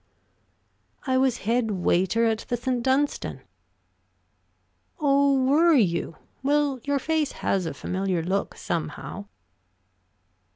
"I was head waiter at the St. Dunstan." "Oh, were you? Well, your face has a familiar look, somehow."